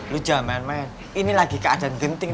lu jangan main main ini lagi keadaan genting